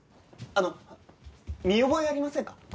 あの見覚えありませんか？